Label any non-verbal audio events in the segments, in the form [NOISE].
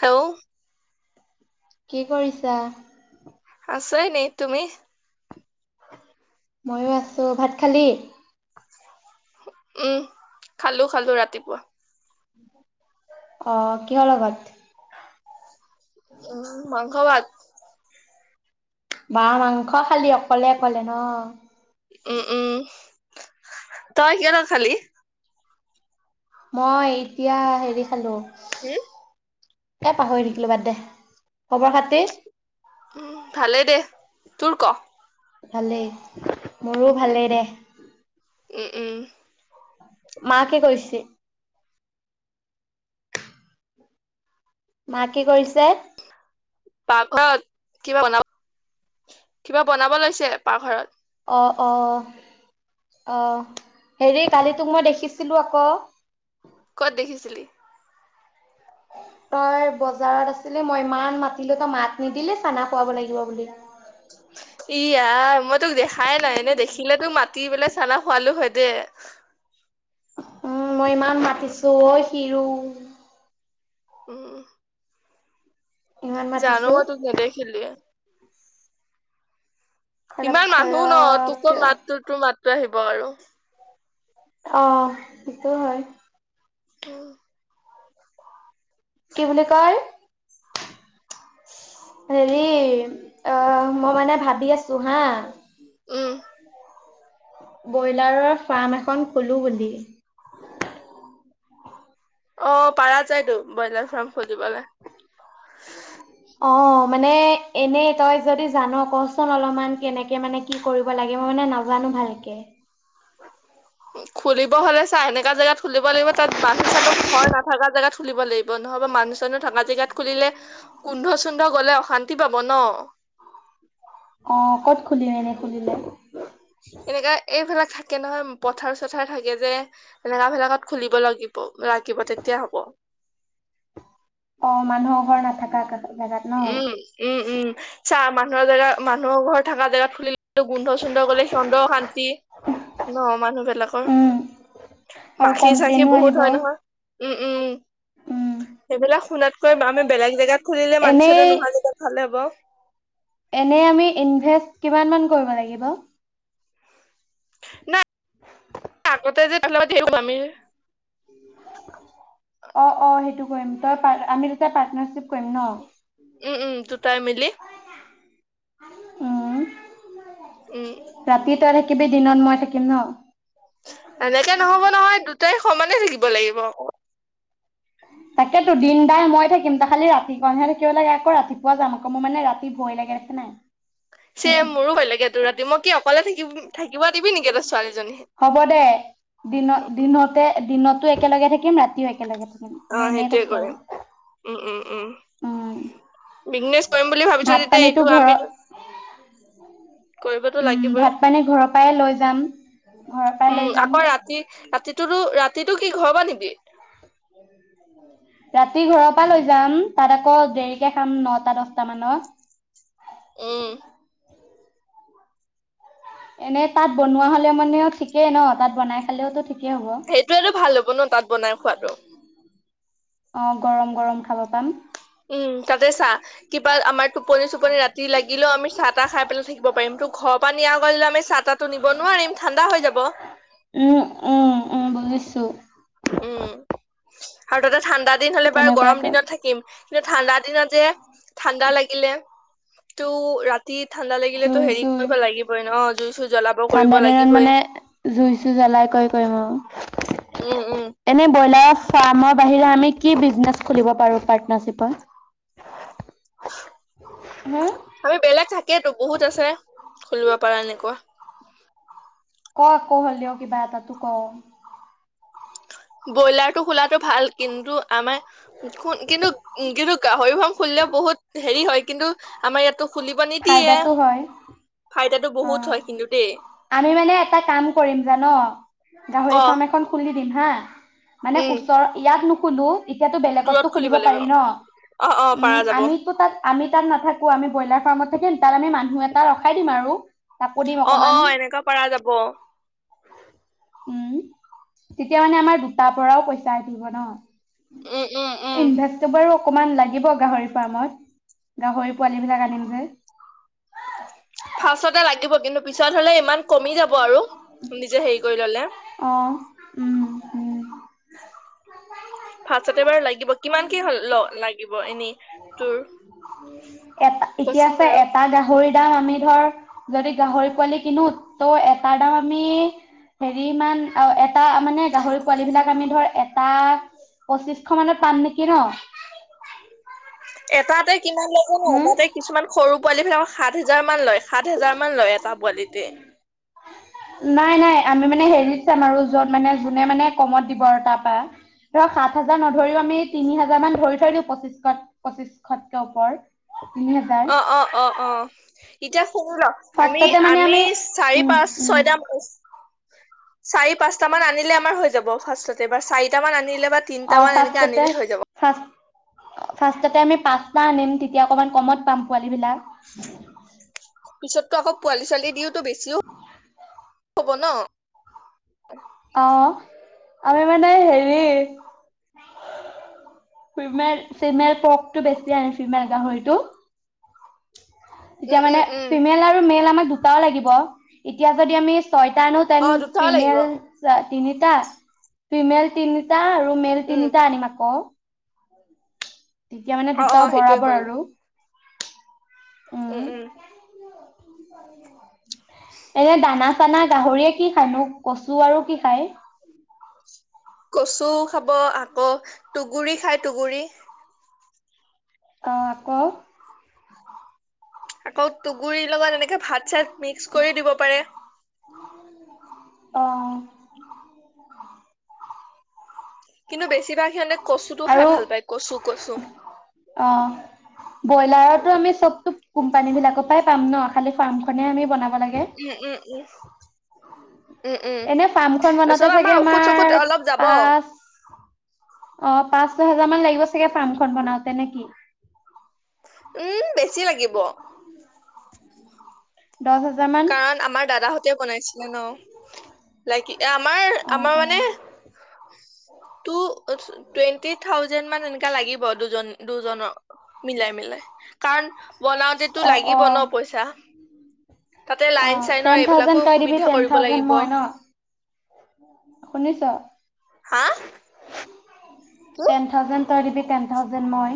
হেও কি কৰিছা? আছাই নে তুমি? ময়ো আছো। ভাত খালি? উম খালো, খালো ৰাতিপুৱা। অ' কিহৰ লগত? উম মাংস ভাত। বা মাংস খালি অকলে অকলে ন'। উম উম তই কিয় নাখালি মই এতিয়া হেৰি খালো হম? এ পাহৰি থাকিলো বাদ দে খবৰ খাতি? উম ভালেই দে তোৰ ক ভালেই মোৰো ভালেই দে উম উম মা কি কৰিছে মা কি কৰিছে? পাকঘৰত কিবা বনাব কিবা বনাব লৈছে পাকঘৰত অ অ অ হেৰি কালি তোক মই দেখিছিলো আকৌ কত দেখিছিলি তই বজাৰত আছিলি মই ইমান মাতিলো তই মাত নিদিলি চানা খুৱাব লাগিব বুলি ই আই ম তোক দেখাই নাই এনে দেখিলে তো মাতি পেলে চনৰ খোৱালো হয় দে উম মই ইমান মাতিছো ঐ শিৰো [INAUDIBLE] ইমান জানো মাতিছো। মই তোক নেদেখিলোৱে খৰাপ ইমান মানুহ ন খৰাপ তোকো কিয় মাত তোৰ তোৰ মাত আহিব আৰু অ সেইটো হয় উম কি বুলি কই হেৰি অ মই মানে ভাবি আছো হা উম ব্ৰইলাৰৰ ফাৰ্ম এখন খোলোঁ বুলি অ পাৰা যাইতো ব্ৰইলাৰ ফাৰ্ম খুলিবলৈ অ মানে এনেই তই যদি জান কচোন অলপমান কেনেকে মানে কি কৰিব লাগে মই মানে নাজানো ভালকে খুলিব হ'লে চা এনেকা জাগাত খুলিব লাগিব তাত মানুহ চানো ঘৰ নাথাকা জেগাত খুলিব লাগিব নহবা মানুহ থকা জেগাত খুলিলে গোন্ধ চুন্ধ গলে অশান্তি পাব ন শুনিলে কেনে হয় পথাৰ চথাৰ থাকে যে এনেকা জেগা এটাত খুলিব লাগিব ৰাখিব তেতিয়া হ'ব অ মানুহৰ ঘৰ নাথাকা এটাত উম উম উম চা মানুহৰ জেগা মানুহৰ ঘৰ থকা জেগাত খুলিল গোন্ধ চোন্ধ গলে সিহঁতৰ অশান্তি ন মানুহবিলাকৰ উম আৰু মাখি চাখি কমপ্লেইনো বহুত আহিব হয় নহয় উম উম উম সেইবিলাক শুনাতকৈ বা আমি বেলেগ জেগাত খুলিলে মানুহ পি নহয়তিয়া ভালে হ'ব [UNINTELLIGIBLE] [UNINTELLIGIBLE] এনে আমি ইনভেষ্ট কিমান মান কৰিব লাগিব [INAUDIBLE] ন আগতে যে আমি [INAUDIBLE] ম তই আমি যে প্নাৰশিপ [UNINTELLIGIBLE] কৰিম ন [INAUDIBLE] উম উম দুটাই মিলি [INAUDIBLE] অহ উম [INAUDIBLE] ৰাতি তাৰে কিবি দিনত মই থাকিম ন [INAUDIBLE] এনেকে নহব নহয় দুটাই সমানে থাকিব লাগিব তাকেতো দিনদাৰ মই থাকিম ত খালি ৰাতিকণহে থাকিব লাগে আকৌ ৰাতিপুৱা যাম আকৌ মোৰ মানে ৰাতি ভয় লাগে দেছে নাই [INAUDIBLE] চে মোৰো ভয় লাগে তোৰ ৰাতি মই কি অকলে থাকিম [INAUDIBLE] হ'ব দে দিনত দিনতে দিনতো একেলগে থাকিম ৰাতিয়ও একেলগে থাকিম। অ, মই এনেই সেইটোৱে কৈছো আৰু কৰিম উম, উম, উম উম বিজনেছ কৰিম বুলি ভাত ভাবিছো যেতিয়া পানীতো এইটো ঘৰৰ আমি কৰিবতো উম লাগিবই ভাত পানী ঘৰৰ পৰাই লৈ যাম ঘৰৰ পৰাই লৈ যাম । ৰাতিটো ৰাতিটো কি ঘৰ পৰা নিবি। ৰাতি ঘৰৰ পৰা লৈ যাম তাত আকৌ দেৰিকে খাম নটা দছটা মানত । উম এনে তাত বনোৱা হ'লে মানেও ঠিকেই ন তাত বনাই খালেওটো ঠিকে সেইটোয়ো ভাল হ'ব ন তাত বনাই খোৱাাতটো । অ গৰম গৰম খাব পাম । উম তাতে চাহ কিবা আমাৰ টোপনি চটোপনি ৰাতি লাগিলেও আমি চাহ তাহ খাই পেলাই থাকিব পাৰিম তো ঘৰৰ পৰা নিয়া কিলো আমি সাত উম, উম, উম বুজিছো। স [UNINTELLIGIBLE] উম আৰু তাতে ঠাণ্ডা দিন হ'লে বাৰ তেনেকুৱাই গৰম কৰিম দিনত থাকিম । কিন্তু ঠাণ্ডা দিনত যে ঠাণ্ডা লাগিলে টো ৰাতি ৰাতি ঠাণ্ডা লাগিলেতো জুই হেৰি চুই কৰিব লাগিবই ন। জুই চুই জ্বলাব কৰিব ঠাণ্ডা দিনত লাগিবই মানে জুই চুই জ্বলাই কৈ কৰিম আৰু [UNINTELLIGIBLE] উম, উম। মানে ফাম্ৰ ৰ বাহিৰে আমি কি বিজনেছ খুলিব পাৰো পাতনাৰচিপৰ। আমি বেলেগ থাকেইতো বহুত আছে। খুলিব পাৰা এনেকুৱা। ক ক হলেও কিবা এটা তো ক। ব্ৰইলাৰ টো খোলাতো ভাল কিন্তু আমাৰ। কিন্তু উ কিন্তু গাহৰিফাম খুলিলেও বহুত হেৰি হয় কিন্তু আমাৰ ইয়াতো খুলিব নিদিয়ে ফাইদাটো হয় ভাইট অ' আমি মানে এটা কাম কৰিম জান ক গাহৰি ফাৰ্ম এখন খুলি দিন হা। মানে উম ওচৰ ইয়াত ন কুলো। এতিয়াতো দূৰত বেলেগতো খুলিব লাগিব পাৰি ন অ অ উম পাৰা যাব আমিতো তাত আমি তাত নাথাকোঁ আমি ব্ৰইলাৰ ফাৰ্মত থাকিম তাত আমি মানুহ এটা ৰখাই দিম আৰু। তাকো দিম অ', অকমান অ' এনেকুৱা পৰা যাব। উম তেতিয়া মানে আমাৰ দুটাৰ পৰাও পইচা আহিব ন উম উম উম। ইনভেষ্ট বাৰু অকমান লাগিব গাহৰি ফাৰ্মত গাহৰি পোৱালী বিলাক আনিম যে। ফাৰ্ষ্টতে লাগিব কিন্তু পিছত হলে ইমান কমি যাব আৰু নিজে হেৰি কৰি ললে। অ উম হম। ফাৰছতে বাৰু লাগিব কিমান কি ল লাগিব এনে তোৰ এটা এতিয়া কচোন চা বাৰু এটা গাহৰি আমি ধৰ যদি গাহৰি পোৱালি কিনোত ত' এটাৰ দাম আমি হেৰিমান এটা মানে গাহৰি পোৱালি বিলাক আমি ধৰ এটা পঁচিশশ মানত পাম নেকি ন। এটাতে। কিমান লয় জান হুম? তাতে কিছুমান সৰু পোৱালি ফিল সাত হেজাৰ মান লয় সাত হেজাৰ মান লয় এটা পোৱালিতে। নাই নাই আমি মানে হেৰিত চাম আৰু য'ত মানে যোনে মানে কমত দিব আৰু তাৰপা ধৰক সাত হাজাৰ নধৰিও আমি তিনি হাজাৰ মান ধৰি থৈ দিওঁ পঁচিশশ পঁচিশশতকে ওপৰত। অ', অ', অ', অ'। এতিয়া শুনি ল আমি ফাৰ্ষ্টতে মানে আমি চাৰি উম পাঁচ উম ছয়টা [INAUDIBLE] চাৰি পাঁচটা মান আনিলে আমাৰ হৈ যাব ফাৰ্ষ্টত। এইবাৰ চাৰিট মান আনিলে বা তিনটা অ মান এনেকে স্বাস্থ্যতে আনিলে হৈ যাব। ফাৰ্ষ্টতে আমি পাচ্তা আনিম তেতিয়া অকমান কমত পাম [INAUDIBLE] পোৱালী বিলাক [INAUDIBLE] পিছততো আকৌ পোৱালি ছোৱালি দিওতো বেছিও হ'ব ন [INAUDIBLE] অ আমি মানে হেৰি ফিমেল ফিমেল পকটো বেছি অ ফিমেল গাহৰিটো [INAUDIBLE] উম তেতিয়া মানে উম উম। ফিমেল আৰু মেল আমাক দু টাও লাগিব এতিয়া যদি আমি [INAUDIBLE] ছয়টা আনু অ তেন দুটাও লাগিব ফিমল তিনিটা ফিমেল তিনিটা আৰু মেল উম তিনিটা আনিম আকৌ [INAUDIBLE] তেতিয়া মানে অ অ দুটাও সেইটোৱে বৰাবৰ কৰিবা আৰু [INAUDIBLE] উম উম এনে দানা চানা গাহৰিয়ে কি খানো কচু আৰু কি খায়? কচু খাব আকৌ টুগুৰি খাই টুগুৰি। অ আকৌ? আকৌ তুগুৰি লগা এনেকে এনেকে ভাত চাত মিক্স কৰি দিব পাৰে। অহ [INAUDIBLE] কিন্তু বেছিভাগ সিহঁতে কচুটো খাই আৰু ভাল পায় কচু কচু ব্ৰইলাৰো আমি চবতো কোম্পানী বিলাকৰ পৰাই পাম ন খালি ফাৰ্মখনে আমি বনাম উম উম উম! উম উম এনে ফাৰ্ম খন বনাতে তাৰপিছত চাগে ঔষধ চৌষধ আমাৰ অলপ যাব পাঁচ অ পাঁচ ছহ হেজাৰ মান লাগিব চাগে ফাৰ্ম খন বনাওতে নেকি? উম বেছি লাগিব। দহ হেজাৰ মান কাৰণ আমাৰ দাদাহতে বনাইছিলে ন লাগি এ আমাৰ অ আমাৰ অ মানে টু টুৱেণ্টি থাউজেণ্ড মান এনে লাগিব দুজন দুজনৰ মিলাই মিলাই কাৰণ বনাওতে তো অ অ লাগিব ন পইচা! তাতে অ লাইন চাইনৰ টেন এইবিলাকো থাউজেড তই দিবি সুবিধা টেন কৰিব থাউজেড লাগিব মই ন শুনিছ? হা? টেন থাউজেণ্ড তই দিবি টেন থাউজেণ্ড মই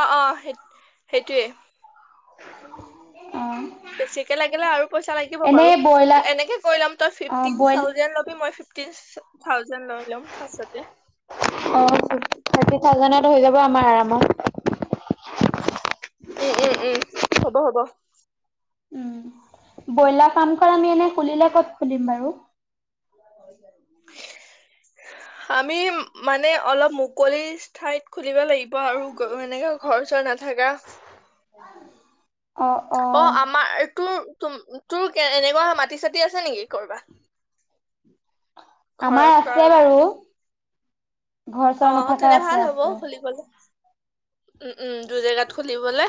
অ' অ' স সেইটোৱে। [UNINTELLIGIBLE] বেছিকে লাগিলে আৰু পইচা লাগিব বাৰু। এনেই ব্ৰইলাৰ এনেকে কৰি লম তই অ ফিফতিন বইল থাউজেন লবি মই [INAUDIBLE] থাউজেণ্ড লৈ লম ফাৰছতে। অ [UNINTELLIGIBLE] হৈ যাব আমাৰ আৰামত। উম উম উম হ'ব হ'ব। উম ব্ৰইলাৰ ফামখন আমি এনে খুলিলে ক'ত খুলিম বাৰু? আমি মানে অলপ মুকলি ঠাইত খুলিব লাগিব আৰু এনেকে ঘৰ চৰ নাথাকা। অ' আমাৰটো তম তোৰ এনেকুৱা মাটি চতি আছে নেকি কৰবাত ঘৰ আমাৰ আছে কাৰোবাৰ বাৰু। ঘৰ অ চৰ নথকা তেনে ভাল আছে হ'ব আছে। খুলিবলে উম উম দুই জেগাত খুলিবলৈ।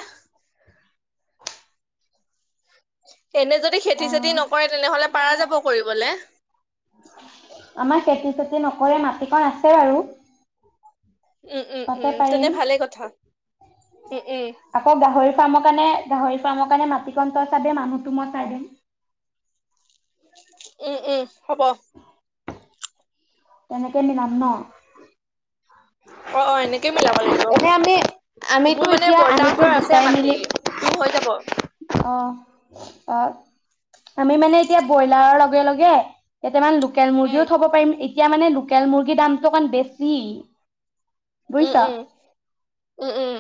এনে যদি অ খেতি চেতি নকৰে তেনেহলে পাৰা যাব কৰিবলে। আমাৰ খেতি চেতি নকৰে মাটিকণ আছে বাৰু। উম উম তাতে উম তেনে পাৰিম। ভালে কথা উম উম। আকৌ গাহৰি ফাৰ্মৰ কাৰণে গাহৰি ফাৰ্মৰ কাৰণে মাটিকণ তই চাবি মানুহটো মই চাই দিম। উম উম হ'ব। তেনেকে নিলাম ন। অ', অ' এনেকেই মিলাব লাগিব এনে আমি আমিতো মোৰ মানে এতিয়া আমিতো বৰ্তাহঁতৰ আছে দুটাই মাটি মিলি তটো হৈ যাব। অ', অ' আমি মানে এতিয়া ব্ৰইলাৰৰ লগে লগে কেইটামান লু লোকেল উম মুৰ্গীও থব পাৰিম। এতিয়া মানে লোকেল মুৰ্গীৰ দামটো অকমান বেছি। উম বুজিছ উম উম উম।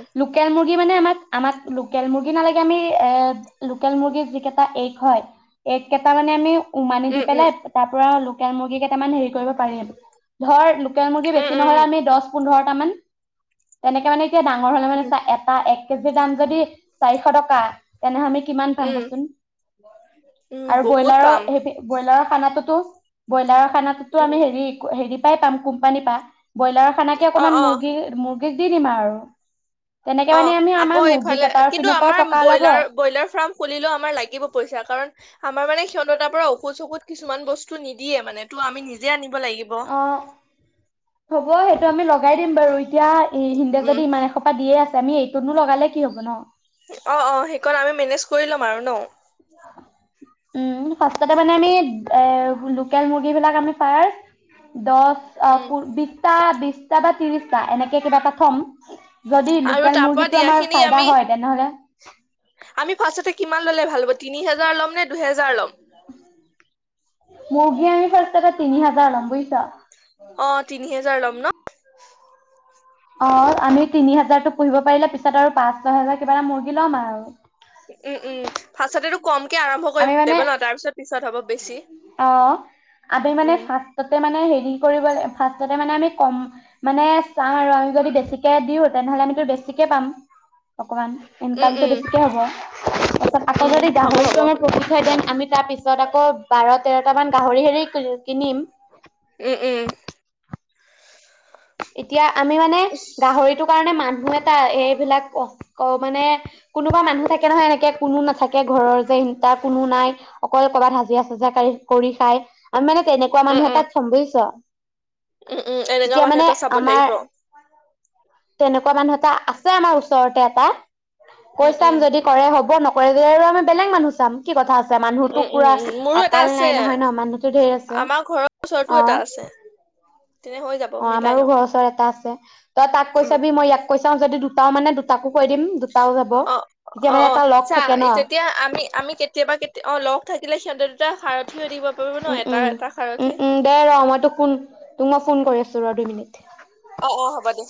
[UNINTELLIGIBLE] লোকেল মুৰ্গী যি কেইটা এগ হয় এগ কেইটা মানে আমি উমানি দি উম উম পেলাই তাৰ পৰালোক লোকেল মুৰ্গী কেইটামান হেৰি কৰিব পাৰিটো ধৰ লোকেল মুৰ্গী উম উম উম বেছিনহ'লে আমি দচ পোন্ধৰটা মান তেনেকে মানে ডাঙৰ হ'লে মানে উম চা এটা এক কেজিৰ দাম যদি চাৰিশ টকা তেনে আমি কিমান পাম উম বচোন উম আৰু বহুত ব্ৰইলাৰৰ পাম সে ব্ৰইলাৰৰ খানাতোতো ব্ৰইলাৰ খানাটোতো আমি উম হেৰি হেৰি পাই পাম কোম্পানী পা ব্ৰইলাৰৰ খানাকে অ অকণমান অ মুৰ্গী মুৰ্গী দিগ দি দিম আৰু । তেনেকে অ মানে আমি আকৌ আমাৰ মুৰ্গী ইফালে কেইটাৰ পিনৰ পৰাও টকা ওলাব। [UNINTELLIGIBLE] খুলেও আমাৰ লাগিব পইা কাৰণ আমাৰ মানে ক্ষতাৰ পৰা ষুধ চু কিছমান বস্তু নিদিয়ে মানে ত আমি নিজে আম। অ' হ'ব সেইটো। আমি লগাই দিম বাৰু। তেতিয়া হিন্দে উম যদি ইমান এসোপা দিয়ে আছে [UNINTELLIGIBLE] কি হ'ব ন অ', অ' সেইকণ আমি মেনেজ কৰি ল'ম আৰু ন উম ফতে মানে আমি এ লোকেল মুৰ্গী বিিলাক আমি পাই দ উম বি বিশটা বা ত্ৰিশটা এনেকে কিবা এটা থম যদি আৰু লোকেল তাৰ পৰা মুৰ্গীটো দিয়া আমাৰ খিনি ফাইদা আমি হয় তেনেহলে হাল তিনি হাজাৰ লম দুহেজাৰ ল'ম মগি আমি ফছ্ত কা তিনিহ হাজালম পুইছ অ তিনি হেজাৰ ল'ম ন অ আমি তিনি হাজাৰতো পুহিব পাৰিলে পিছত আৰু পাঁচ দহ হাজাৰ কিবা এটা মুৰ্গী ল'ম আৰু উম উম ভাচাতেতটো কম আমি মানে বেছি অ আমি মানে উম ফাৰ্ষতে মানে হেৰি কৰিব লাগ ফাৰ্ষতে মানে আমি কম মানে চা আৰু আমি যদি বেছিকে দিওঁ তেনেহলে আমিতো বেছিকে পাম অকণমান উম ইনকামটো উম বেছিকে হ'ব তাৰপিছত আকৌ উম যদি হ'ব হ'ব গাহৰিটো আমাৰ ন আমি তাৰ পিছত আকৌ বাৰ তেৰটামান গাহৰি হেৰি কিনিম উম উম এতিয়া আমি মানে গাহৰিটোৰ কাৰণে মান মান এটা এইবিলাক ক মানে কোনোবা মানুহ থাকে নহয় এনেকে কোনো নাথাকে ঘৰৰ যে ই তাৰ কোনো নাই অকল কৰবাত হাজিৰা চাজিৰা কৰি খাই আমিানে তেনেকুৱা উম মানুহ এ উম তাত চ'ম বুজিছ উম উম এনেকাাও মানুহ এটা আমাৰ দিবলাগিব। তেনেকুৱা মানুহ এটা আছে আমাৰ ওচৰতে এটা। উম কৈ চাম উম যদি কৰে হ'ব, নক কৰিলে আৰু আমি বেলেগ মানুহ চাম। কি কথা আছে মানুহটো উম উম পোৰা উম মোৰো এটা আকাল আছে নাই নহয় নহ, মানুহটো ধেই আছে, আমাৰ ঘৰৰ ওচৰতো অহ। এটা আছে তেনে হৈ যাব অহ মিলাই আমাৰো ল'ম ঘৰৰ ওচৰত এটা আছে। তই তাক কৈ উম চাবি, মই ইয়াক কৈ চাম। চাওঁ, যদি দুটাও মানে দুটাকো কৈ দিম দুটাও যাব অ', তেতিয়া অ', মানে অ' এটা লগ চা থাকে ন তেতিয়া আমি, আমি কেতিয়াবা, কেতিয়াবা অ' লও। থাকে সিহঁৰ উম', উম', সাৰথি উম', উম' দে ৰহ, মই তোক ফোন, তোক মই ফোন কৰি আছো। চৌৰা দি মিনিট। অ', অ', হ'ব', দে।